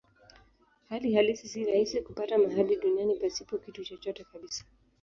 Hali halisi si rahisi kupata mahali duniani pasipo kitu chochote kabisa.